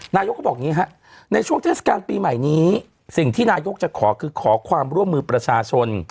นายกเขาบอกอย่างนี้ฮะในช่วงเทศกาลปีใหม่นี้สิ่งที่นายกจะขอคือขอความร่วมมือประชาชน